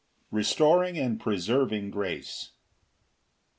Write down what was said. Restoring and preserving grace.